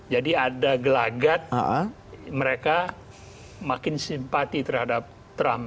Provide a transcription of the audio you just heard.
jadi ada gelagat mereka makin simpati terhadap trump